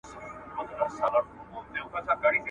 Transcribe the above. ښاریان په صنعت او سوداګرۍ بوخت وي.